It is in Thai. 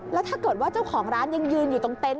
แล้วถ้าเกิดว่าเจ้าของร้านยังยืนอยู่ตรงเต็นต